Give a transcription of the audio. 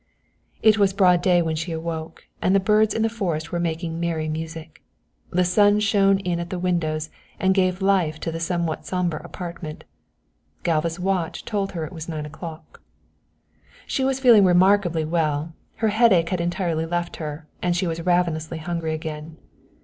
It was broad day when she awoke and the birds in the forest were making merry music. The sun shone in at the windows and gave life to the somewhat sombre apartment. Galva's watch told her it was nine o'clock. She was feeling remarkably well, her headache had entirely left her, and she was ravenously hungry again.